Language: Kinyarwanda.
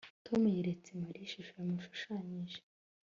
Tom yeretse Mariya ishusho yashushanyije